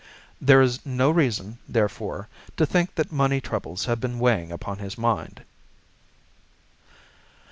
There is no reason, therefore, to think that money troubles have been weighing upon his mind.